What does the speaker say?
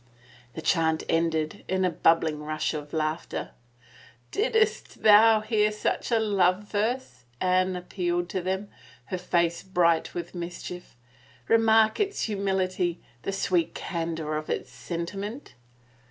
The chant ended in a bubbling rush of laughter. " Didst ever hear such a love verse ?" Anne appealed to them, her face bright with mischief. " Remark its humility — the sweet candor of its sentiment